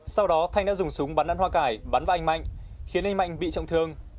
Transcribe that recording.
sau đó thanh đã dùng súng bắn ăn hoa cải bắn vào anh mạnh khiến anh mạnh bị trọng thương